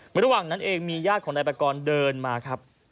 ระหว่างนั้นเองมีญาติของนายปากรเดินมาครับ